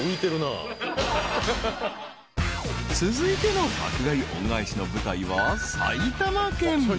［続いての爆買い恩返しの舞台は埼玉県］